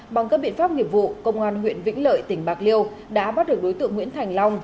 bằng các biện pháp nghiệp vụ công an huyện vĩnh lợi tỉnh bạc liêu đã bắt được đối tượng nguyễn thành long